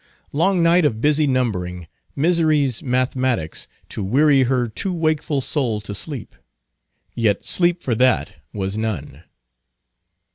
Long night of busy numbering, misery's mathematics, to weary her too wakeful soul to sleep; yet sleep for that was none.